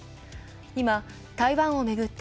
今、台湾を巡って、